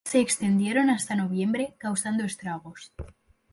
Las lluvias se extendieron hasta noviembre causando estragos.